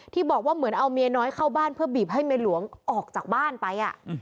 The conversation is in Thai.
ที่บอกว่าเหมือนเอาเมียน้อยเข้าบ้านเพื่อบีบให้เมียหลวงออกจากบ้านไป